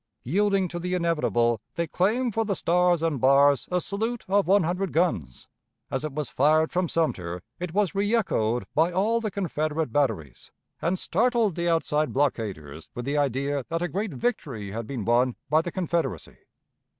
Yielding to the inevitable, they claimed for the Stars and Bars a salute of one hundred guns. As it was fired from Sumter, it was reëchoed by all the Confederate batteries, and startled the outside blockaders with the idea that a great victory had been won by the Confederacy.